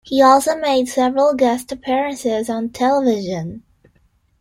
He also made several guest appearances on television.